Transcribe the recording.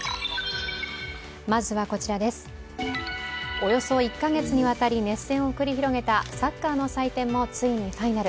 およそ１か月にわたり熱戦を繰り広げたサッカーの祭典もついにファイナル。